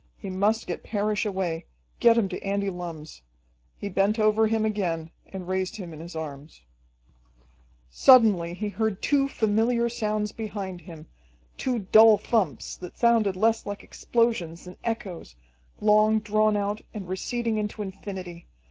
He must get Parrish away, get him to Andy Lumm's. He bent over him again and raised him in his arms. Suddenly he heard two familiar sounds behind him, two dull thumps that sounded less like explosions than echoes, long drawn out, and receding into infinity.